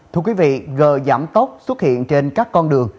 thưa quý vị gờ giảm tốc xuất hiện trên các con đường